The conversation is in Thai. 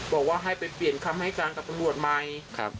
บอกว่าให้ไปเปลี่ยนคำให้การกับตำรวจใหม่